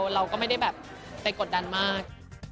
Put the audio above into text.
เราก็ไม่ได้แบบไปกดดันมาก